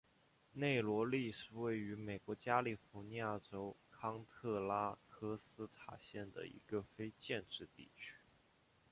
内罗利是位于美国加利福尼亚州康特拉科斯塔县的一个非建制地区。